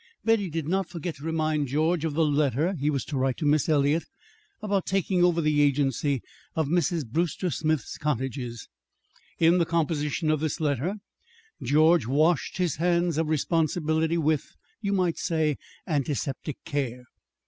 Betty did not forget to remind George of the letter he was to write to Miss Eliot about taking over the agency of Mrs. Brewster Smith's cottages. In the composition of this letter George washed his hands of responsibility with, you might say, antiseptic care.